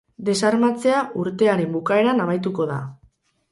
Desarmatzea urtearen bukaeran amaituko da.